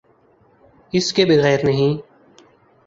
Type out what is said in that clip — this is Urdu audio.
اس کے بغیر نہیں۔